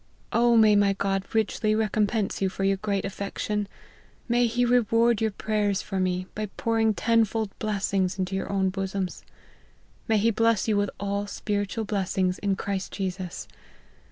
O may my God richly recompense you for your great affection ! May he reward your prayers for me, by pouring ten fold blessings into your own bosoms ! May he bless you with all spiritual blessings in Christ Jesus